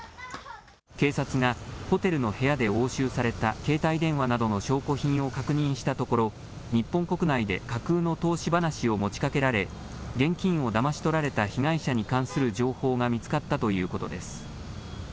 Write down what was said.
警察がホテルの部屋で押収された携帯電話などの証拠品を確認したところ日本国内で架空の投資話を持ちかけられ現金をだまし取られた被害者に関する情報が見つかったということです。